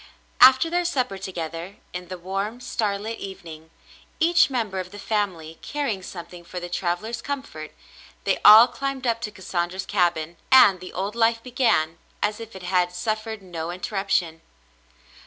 After their supper to gether, in the warm, starlit evening, each member of the family carrying something for the traveller's comfort, they all climbed up to Cassandra's cabin, and the old life began as if it had suffered no interruption.